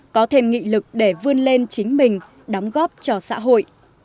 có thêm nghị lực để vươn lên chính mình đóng góp cho xã hội